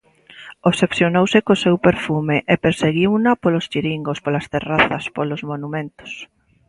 Obsesionouse co seu perfume e perseguiuna polos chiringos, polas terrazas, polos monumentos.